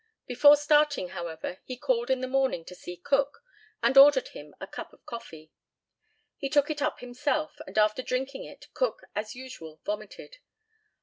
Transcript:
Before starting, however, he called in the morning to see Cook, and ordered him a cup of coffee. He took it up himself, and after drinking it Cook, as usual, vomited.